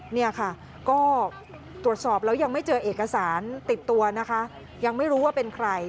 เนี่ยค่ะก็ตรวจสอบแล้วยังไม่เจอเอกสารติดตัวนะคะยังไม่รู้ว่าเป็นใคร